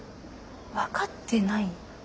分かってない？